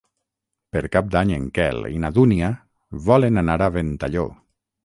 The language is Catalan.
Per Cap d'Any en Quel i na Dúnia volen anar a Ventalló.